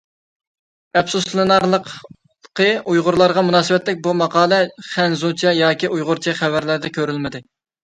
ئەپسۇسلىنارلىقى ئۇيغۇرلارغا مۇناسىۋەتلىك بۇ ماقالە خەنزۇچە ياكى ئۇيغۇرچە خەۋەرلەردە كۆرۈلمىدى.